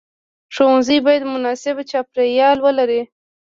ښوونځی باید مناسب چاپیریال ولري.